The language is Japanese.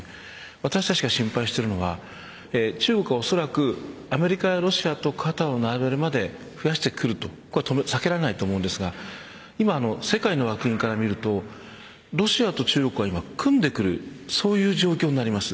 私たちが心配しているのは中国は、おそらくアメリカやロシアと肩を並べるまで増やしてくるこれは避けられないと思いますが世界から見るとロシアと中国は組んでいるそういう状況になります。